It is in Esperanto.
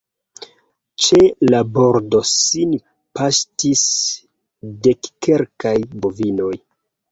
Ĉe la bordo sin paŝtis dekkelkaj bovinoj.